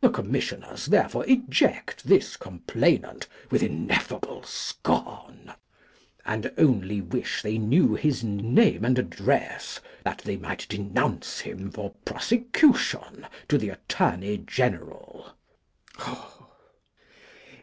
The Commissioners therefore eject this complainant with ineffable scorn; and only wish they knew his name and address, that they might denounce him for prosecution to the Attorney General.